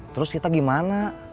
terus kita gimana